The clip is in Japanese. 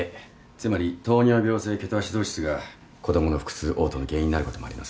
つまり糖尿病性ケトアシドーシスが子供の腹痛嘔吐の原因になることもあります。